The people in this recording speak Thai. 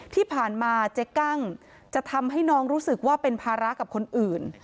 ที่ผ่านมาเจ๊กั้งจะทำให้น้องรู้สึกว่าเป็นภาระกับคนอื่น